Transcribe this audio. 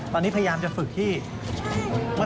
ขับทางแสดงนี้แล้ว